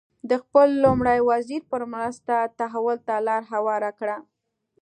د خپل لومړي وزیر په مرسته تحول ته لار هواره کړه.